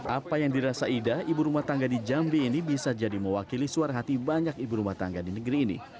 apa yang dirasa ida ibu rumah tangga di jambi ini bisa jadi mewakili suara hati banyak ibu rumah tangga di negeri ini